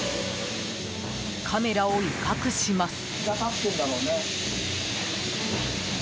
カメラを威嚇します。